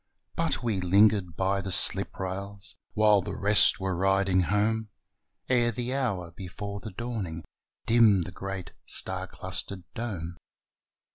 But we lingered by the sliprails While the rest were riding home, Ere the hour before the dawning Dimmed the great star clustered dome.